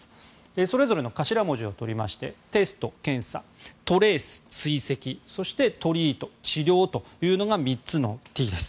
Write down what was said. それぞれの頭文字をとりましてテスト・検査トレース・追跡そしてトリート・治療というのが３つのＴです。